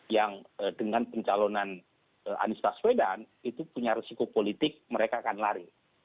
yang dengan pencalonan anies baswedan itu punya resiko politik mereka akan lari